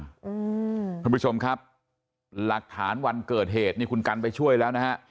ท่านผู้ชมครับหลักฐานวันเกิดเหตุนี่คุณกันไปช่วยแล้วนะฮะ